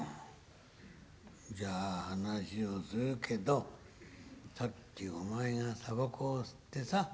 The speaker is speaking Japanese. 「じゃあ話をするけどさっきお前が煙草を吸ってさ